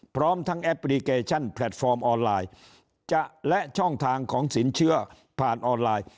พร้อมทั้งแอปพลิเคชันแพลตฟอร์มออนไลน์จะและช่องทางของสินเชื่อผ่านออนไลน์